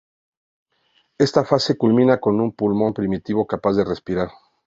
Esta fase culmina con un pulmón primitivo capaz de respirar.